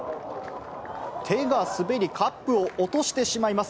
手が滑り、カップを落としてしまいます。